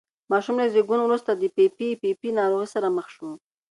ماشوم له زېږون وروسته د پي پي پي ناروغۍ سره مخ شو.